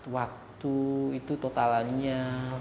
waktu itu totalnya